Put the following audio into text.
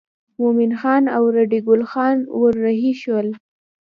مومن خان او ریډي ګل خان ور رهي شول.